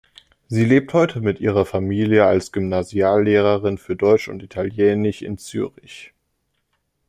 Sie lebt heute mit ihrer Familie als Gymnasiallehrerin für Deutsch und Italienisch in Zürich.